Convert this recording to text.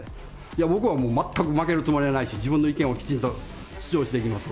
いや、僕はもう、全く負けるつもりはないし、自分の意見をきちんと主張していきます。